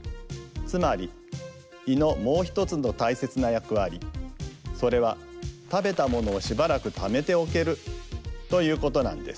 つまり胃のもうひとつのたいせつなやくわりそれは食べた物をしばらくためておけるということなんです。